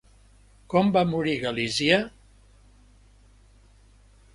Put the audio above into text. Com va morir Galizia?